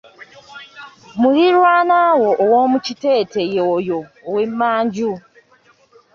Muliranwawo owomukitete ye oyo ow'emmanju